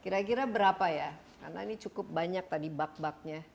kira kira berapa ya karena ini cukup banyak tadi bak baknya